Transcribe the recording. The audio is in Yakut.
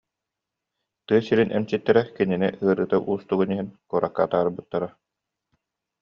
Тыа сирин эмчиттэрэ кинини ыарыыта уустугун иһин куоракка атаарбыттара